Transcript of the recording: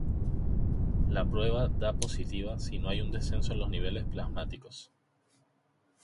La prueba da positiva si no hay un descenso en los niveles plasmáticos.